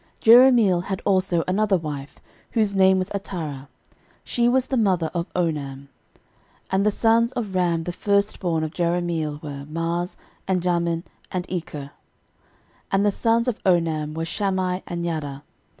13:002:026 Jerahmeel had also another wife, whose name was Atarah; she was the mother of Onam. 13:002:027 And the sons of Ram the firstborn of Jerahmeel were, Maaz, and Jamin, and Eker. 13:002:028 And the sons of Onam were, Shammai, and Jada.